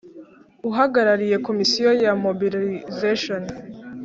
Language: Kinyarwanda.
Uhagarariye Komisiyo ya Mobilisation